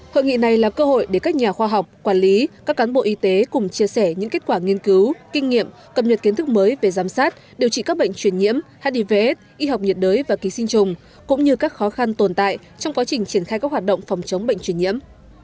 hội nghị này là cơ hội để các nhà khoa học quản lý các cán bộ y tế cùng chia sẻ những kết quả nghiên cứu kinh nghiệm cập nhật kiến thức mới về giám sát điều trị các bệnh truyền nhiễm hivs y học nhiệt đới và ký sinh trùng cũng như các khó khăn tồn tại trong quá trình triển khai các hoạt động phòng chống bệnh truyền nhiễm